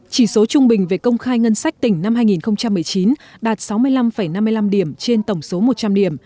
chỉ số trung bình về công khai ngân sách tỉnh năm hai nghìn một mươi chín đạt sáu mươi năm năm mươi năm điểm trên tổng số một trăm linh điểm